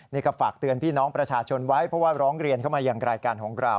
นี่ก็ฝากเตือนพี่น้องประชาชนไว้เพราะว่าร้องเรียนเข้ามาอย่างรายการของเรา